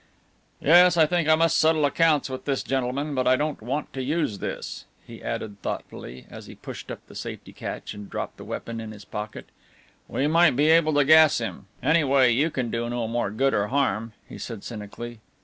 "Yes, I think I must settle accounts with this gentleman, but I don't want to use this," he added thoughtfully, as he pushed up the safety catch and dropped the weapon in his pocket; "we might be able to gas him. Anyway, you can do no more good or harm," he said cynically.